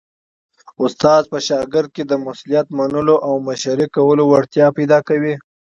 استاد په شاګرد کي د مسؤلیت منلو او مشرۍ کولو وړتیا پیدا کوي.